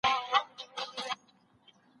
تورې موږ وکړې ګټه تا پورته کړه